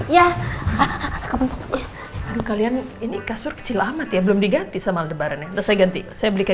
ya ya ya kalian ini kasur kecil amat ya belum diganti sama debarannya saya ganti saya belikan